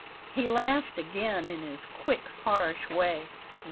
He laughed again in his quick, harsh way.